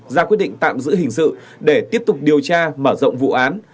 ra quyết định tạm giữ hình sự để tiếp tục điều tra mở rộng vụ án